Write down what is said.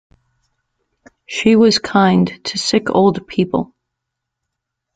She was kind to sick old people.